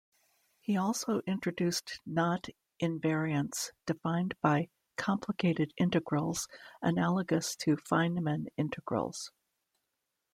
He also introduced knot invariants defined by complicated integrals analogous to Feynman integrals.